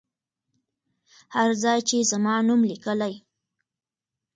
هر ځای چې زما نوم لیکلی.